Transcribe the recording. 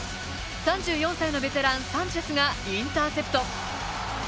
３４歳のベテラン、サンチェスがインターセプト。